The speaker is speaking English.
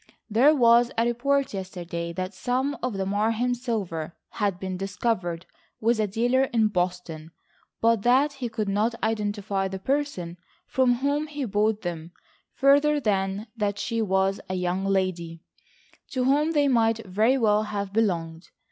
There was a report yesterday that some of the Marheim silver had been discovered with a dealer in Boston, but that he could not identify the person from whom he bought them further than that she was a young lady to whom they might very well have belonged.